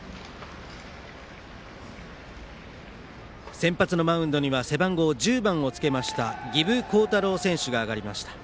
先発のマウンドには背番号１０番をつけた儀部皓太朗選手が上がりました。